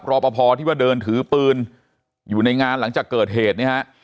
รอปภที่ว่าเดินถือปืนอยู่ในงานหลังจากเกิดเหตุเนี่ยฮะ